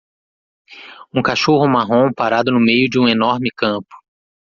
um cachorro marrom parado no meio de um enorme campo.